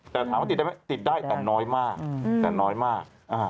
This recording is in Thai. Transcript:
แต่ถามว่าติดได้ไหมติดได้แต่น้อยมาก